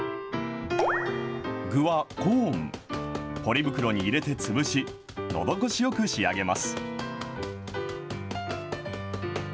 具はコーン、ポリ袋に入れて潰し、のどごしよく仕上げます。